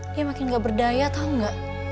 dia makin gak berdaya tau gak